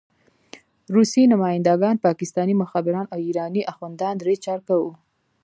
روسي نماینده ګان، پاکستاني مخبران او ایراني اخندان درې چارکه وو.